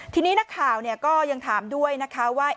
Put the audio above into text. ทีนี้นักข่าวก็ยังถามด้วยนะคะว่า